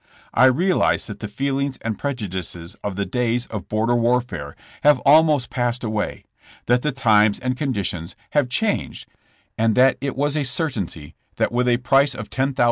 I realize that the feelings and prejudices of the days of border warfare have almost passed away, that the times and conditions have changed and that it was a certainty that with a price 20 JKSSK JAMKS.